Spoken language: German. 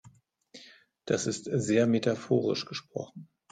Das ist sehr metaphorisch gesprochen.